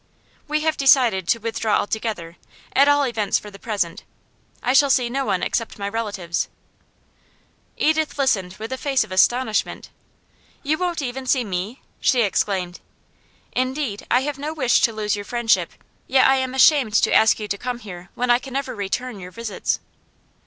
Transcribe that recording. We have decided to withdraw altogether at all events for the present. I shall see no one except my relatives.' Edith listened with a face of astonishment. 'You won't even see ME?' she exclaimed. 'Indeed, I have no wish to lose your friendship. Yet I am ashamed to ask you to come here when I can never return your visits.